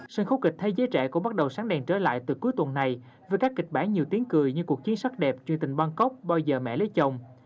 sân khấu kịch thế giới trẻ cũng bắt đầu sáng đèn trở lại từ cuối tuần này với các kịch bản nhiều tiếng cười như cuộc chiến sắc đẹp truy tình bangkok bao giờ mẹ lấy chồng